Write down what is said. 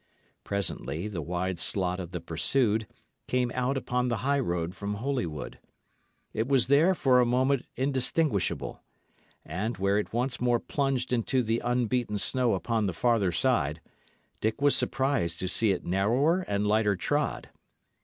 Presently, the wide slot of the pursued came out upon the high road from Holywood; it was there, for a moment, indistinguishable; and, where it once more plunged into the unbeaten snow upon the farther side, Dick was surprised to see it narrower and lighter trod.